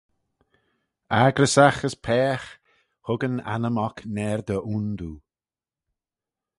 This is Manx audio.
Accryssagh as paagh: hug yn annym oc naardey ayndoo.